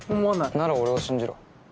なら俺を信じろ。